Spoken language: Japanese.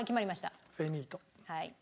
はい。